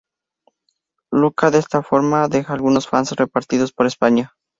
Luca de esta forma deja algunos fans repartidos por España.